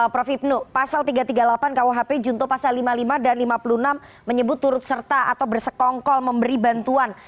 prof ibnu pasal tiga ratus tiga puluh delapan kuhp junto pasal lima puluh lima dan lima puluh enam menyebut turut serta atau bersekongkol memberi bantuan